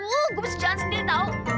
gua harus jalan sendiri tau